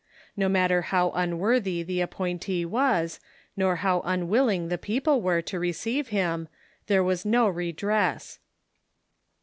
No matter how unworthy the api)ointee was, nor how unwilling the people were to receive liim, there Avas no redress.